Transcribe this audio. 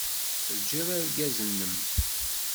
Teǧǧid argaz-nnem.